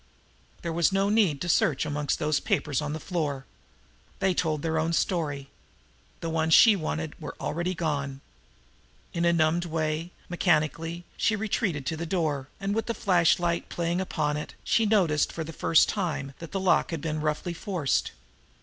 There was no need to search amongst those papers on the floor. They told their own story. The ones she wanted were already gone. In a numbed way, mechanically, she retreated to the door; and, with the flashlight playing upon it, she noticed for the first time that the lock had been roughly forced.